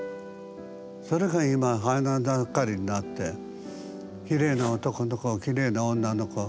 それが今花ざかりになってきれいな男の子きれいな女の子